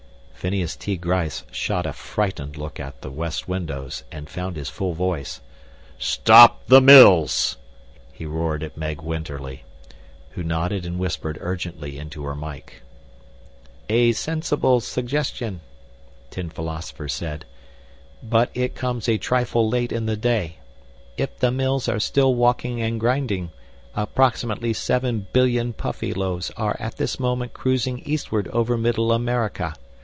Phineas T. Gryce shot a frightened look at the west windows and found his full voice. "Stop the mills!" he roared at Meg Winterly, who nodded and whispered urgently into her mike. "A sensible suggestion," Tin Philosopher said. "But it comes a trifle late in the day. If the mills are still walking and grinding, approximately seven billion Puffyloaves are at this moment cruising eastward over Middle America.